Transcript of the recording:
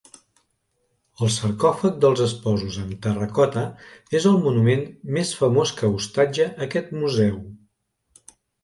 El sarcòfag dels esposos en terracota és el monument més famós que hostatja aquest museu.